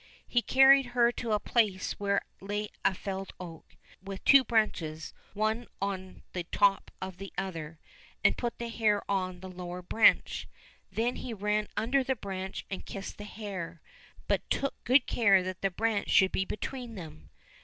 He carried her to a place where lay a felled oak, with two branches one on the top of the other, and put the hare on the lower branch ; then he ran under the branch and kissed the hare, but took good care that the branch should be between them.